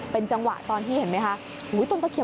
เป็นจังหวะตอนที่เห็นไหมคะ